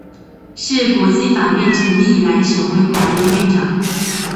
是国际法院成立以来首位华人院长。